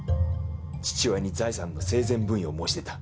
父親に財産の生前分与を申し出た。